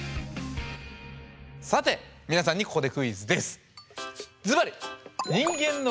さて皆さんにここでクイズです！